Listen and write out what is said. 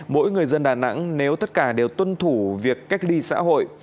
mỗi người dân đà nẵng nếu tất cả đều tuân thủ việc cách ly xã hội